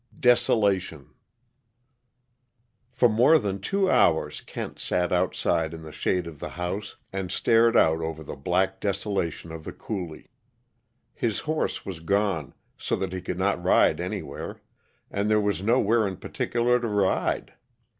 DESOLATION For more than two hours Kent sat outside in the shade of the house, and stared out over the black desolation of the coulee. His horse was gone, so that he could not ride anywhere and there was nowhere in particular to ride.